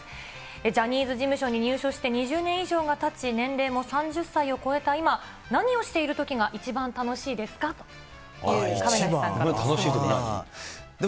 ジャニーズ事務所に入所して２０年以上がたち、年齢も３０歳を超えた今、何をしているときが一番楽しいですかという、亀梨さんからの質問です。